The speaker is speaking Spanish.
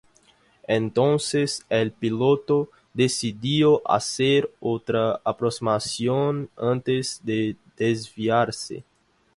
Entonces, el piloto decidió hacer otra aproximación antes de desviarse.